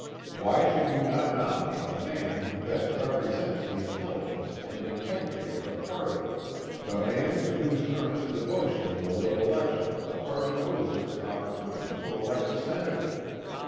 Why should we not nominate the man who best represents the intelligence and integrity of the party, the man to whose earnest devotion in the late election the party owes its opportunity to elect a senator?